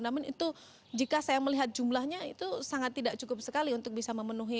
namun itu jika saya melihat jumlahnya itu sangat tidak cukup sekali untuk bisa memenuhi